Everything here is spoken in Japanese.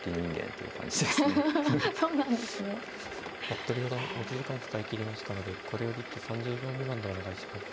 服部四段持ち時間を使い切りましたのでこれより一手３０秒未満でお願いします。